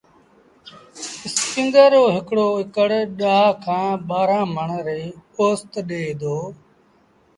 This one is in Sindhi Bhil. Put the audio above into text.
اسپيٚنگر رو هڪڙو اڪڙ ڏآه کآݩ ٻآهرآݩ مڻ ريٚ اوست ڏي دو۔